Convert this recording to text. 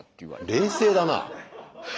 冷静だな。